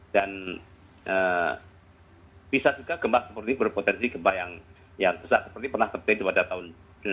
dan bisa juga gempa seperti berpotensi gempa yang pesat seperti pernah terjadi pada tahun dua ribu tujuh